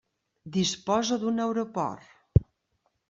Disposa d'un aeroport.